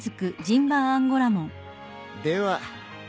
では。